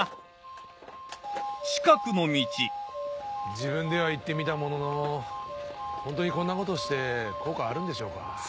自分では言ってみたものの本当にこんなことして効果あるんでしょうか。